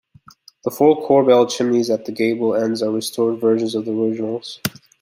The four corbelled chimneys at the gable-ends are restored versions of the originals.